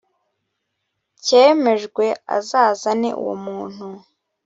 cyemejwe azazane uwo muntu